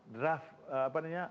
draft apa namanya